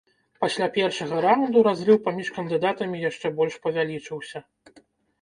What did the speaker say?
Пасля першага раунду разрыў паміж кандыдатамі яшчэ больш павялічыўся.